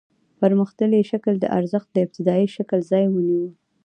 پرمختللي شکل د ارزښت د ابتدايي شکل ځای ونیو